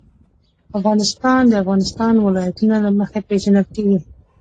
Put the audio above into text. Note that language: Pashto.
افغانستان د د افغانستان ولايتونه له مخې پېژندل کېږي.